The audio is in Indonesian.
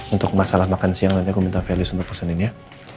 untuk masalah makan siang nanti aku minta felix untuk pesenin ya